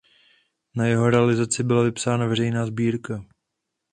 Na jeho realizaci byla vypsána veřejná sbírka.